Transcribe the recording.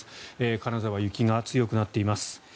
金沢、雪が強くなっています。